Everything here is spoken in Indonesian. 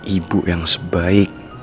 ibu yang sebaik